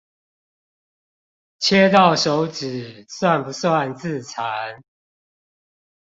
切到手指算不算自殘